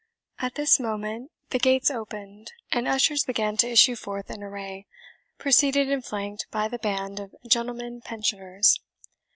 At this moment the gates opened, and ushers began to issue forth in array, preceded and flanked by the band of Gentlemen Pensioners.